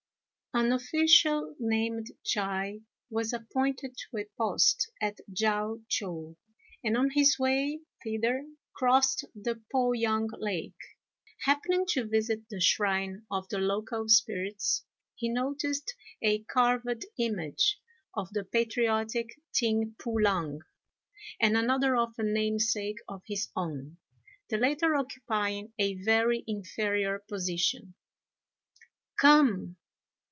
An official, named Chai, was appointed to a post at Jao chou, and on his way thither crossed the Po yang lake. Happening to visit the shrine of the local spirits, he noticed a carved image of the patriotic Ting P'u lang, and another of a namesake of his own, the latter occupying a very inferior position. "Come!